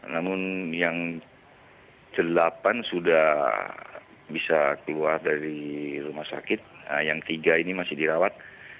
namun yang delapan sudah bisa keluar dari rumah sakit yang tiga ini masih dirawat